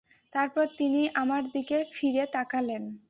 তারপর তিনি আমার দিকে ফিরে তাকালেন।